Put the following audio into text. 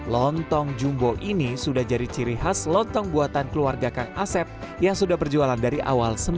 lontong jumbo ini sudah jadi ciri khas lontong buatan keluarga kang asep yang sudah berjualan dari awal seribu sembilan ratus sembilan puluh